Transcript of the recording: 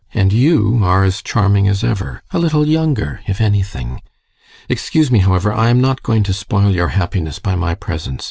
And you are as charming as ever, A little younger, if anything. Excuse me, however I am not going to spoil your happiness by my presence.